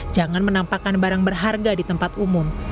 jangan menampakkan barang berharga di tempat umum